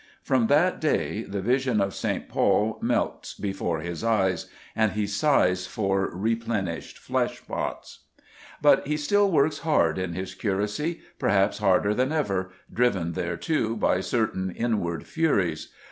From that day the vision of St. Paul melts before his eyes, and he sighs for replenished fleshpots. But he still works hard in his curacy, perhaps harder than ever, driven thereto by certain inward furies.